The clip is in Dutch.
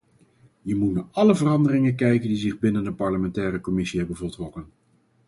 Je moet naar alle veranderingen kijken die zich binnen de parlementaire commissie hebben voltrokken.